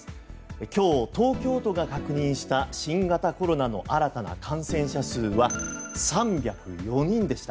今日、東京都が確認した新型コロナの新たな感染者数は３０４人でした。